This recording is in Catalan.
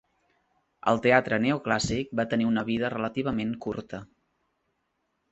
El teatre neoclàssic va tenir una vida relativament curta.